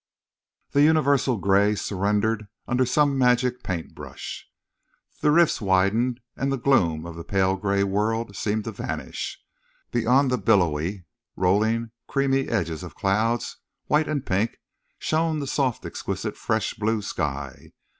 The universal gray surrendered under some magic paint brush. The rifts widened, and the gloom of the pale gray world seemed to vanish. Beyond the billowy, rolling, creamy edges of clouds, white and pink, shone the soft exquisite fresh blue sky.